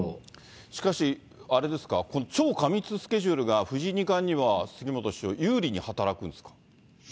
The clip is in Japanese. しかし、あれですか、この超過密スケジュールが藤井二冠には杉本師匠、有利に働くんですか。